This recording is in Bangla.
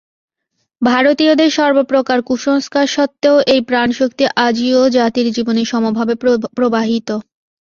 ভারতীয়দের সর্বপ্রকার কুসংস্কার সত্ত্বেও এই প্রাণশক্তি আজিও জাতির জীবনে সমভাবে প্রবাহিত।